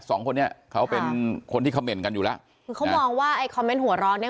สองคนเนี้ยเขาเป็นคนที่คำเมนต์กันอยู่แล้วคือเขามองว่าไอ้คอมเมนต์หัวร้อนเนี้ย